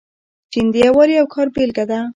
چین د یووالي او کار بیلګه ده.